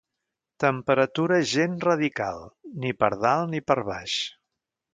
Temperatura gens radical, ni per dalt ni per baix.